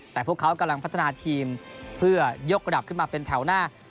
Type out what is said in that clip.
แต่พวกเขากำลังพัฒนาทีมเพื่อยกระดับขึ้นมาเป็นแถวหน้า